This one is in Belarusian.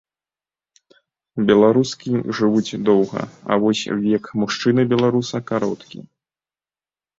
Беларускі жывуць доўга, а вось век мужчыны-беларуса кароткі.